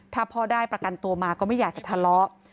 ถ้าพ่อได้ประกันตัวมาก็ไม่อยากจะทะเลาะ